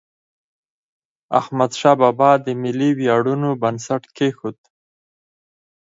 احمدشاه بابا د ملي ویاړونو بنسټ کېښود.